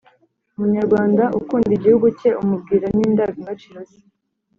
Umunyarwanda ukunda igihugu cye umubwirwa ni ndangagaciro ze